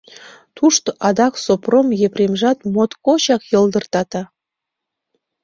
Тушто адак Сопром Епремжат моткочак йылдыртата.